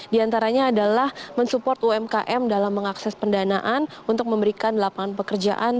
di antaranya adalah mensupport umkm dalam mengakses pendanaan untuk memberikan lapangan pekerjaan